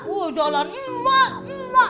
udah lah ema ema